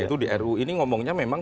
itu di ruu ini ngomongnya memang